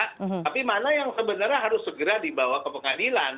tapi mana yang sebenarnya harus segera dibawa ke pengadilan